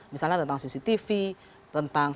misalnya tentang cctv tentang